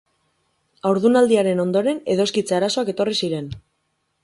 Haurdunaldiaren ondoren edoskitze arazoak etorri ziren.